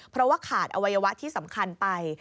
เพราะว่าขาดอวัยวะที่สำคัญไป